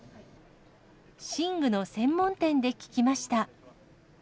寝具の専門店で聞きました。